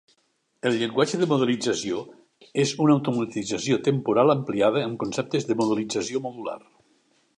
El llenguatge de modelització és una automatització temporal ampliada amb conceptes de modelització modular.